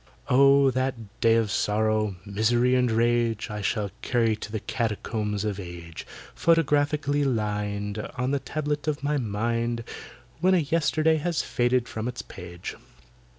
Oh! that day of sorrow, misery, and rage, I shall carry to the Catacombs of Age, Photographically lined On the tablet of my mind, When a yesterday has faded from its page!